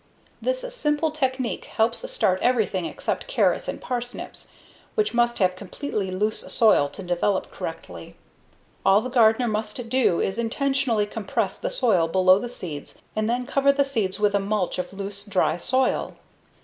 This simple technique helps start everything except carrots and parsnips (which must have completely loose soil to develop correctly). All the gardener must do is intentionally compress the soil below the seeds and then cover the seeds with a mulch of loose, dry soil.